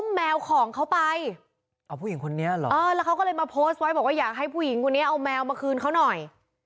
แมวของเขาไปเอาผู้หญิงคนนี้เหรอเออแล้วเขาก็เลยมาโพสต์ไว้บอกว่าอยากให้ผู้หญิงคนนี้เอาแมวมาคืนเขาหน่อย